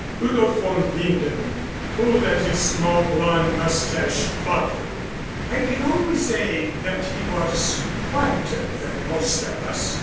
Udo von Winden pulled at his small blond mustache thoughtfully. "I can only say that he was quieter than most of us.